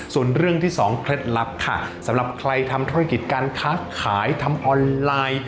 ส่วนเรื่องที่สองเคล็ดลับค่ะสำหรับใครทำธุรกิจการค้าขายทำออนไลน์